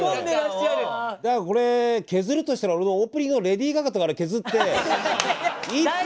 だからこれ削るとしたら俺のオープニングのレディー・ガガとか削って１分。